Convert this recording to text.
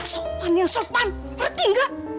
sopan berarti tidak